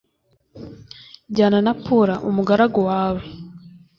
jyana na pura umugaragu wawe